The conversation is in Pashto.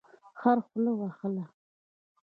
خر خوله وهله.